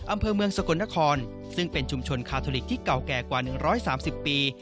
อำเภอเมืองสกลนครซึ่งเป็นชุมชนคาทอลิกที่เก่าแก่กว่า๑๓๐ปี